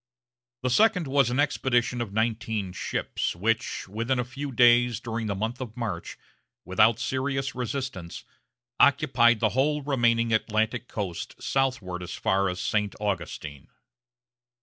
The second was an expedition of nineteen ships, which, within a few days during the month of March, without serious resistance, occupied the whole remaining Atlantic coast southward as far as St. Augustine.